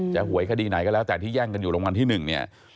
จะหวยคดีไหนก็แล้วแต่ที่แย่งกันอยู่ลงกันที่หนึ่งเนี่ย